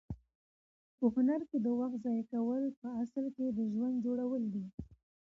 په هنر کې د وخت ضایع کول په اصل کې د ژوند جوړول دي.